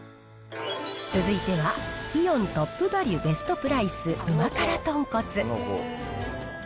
続いては、イオントップバリュベストプライス旨辛とんこつ。